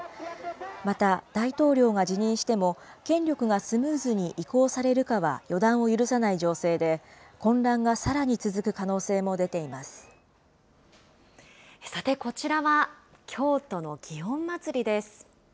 また、大統領が辞任しても、権力がスムーズに移行されるかは予断を許さない情勢で、混乱がささて、こちらは京都の祇園祭です。